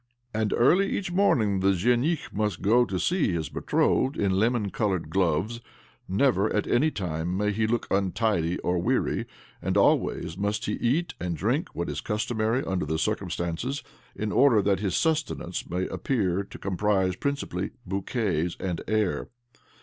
And early each morning the zhenich must go to see his betrothed in lemon coloured gloves — never at any time may he look un tidy or weary ; and always he must eat and drink what is customary under the circum stances, in order that his sustenance may аррюаг to comprise principally bouquets and air.